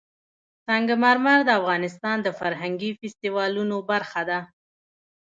سنگ مرمر د افغانستان د فرهنګي فستیوالونو برخه ده.